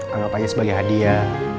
anggap aja sebagai hadiah